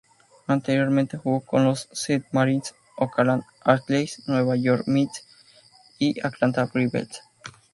Anteriormente jugó con los Seattle Mariners, Oakland Athletics, New York Mets y Atlanta Braves.